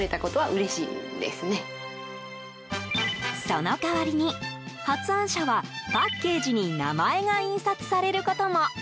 その代わりに発案者はパッケージに名前が印刷されることも。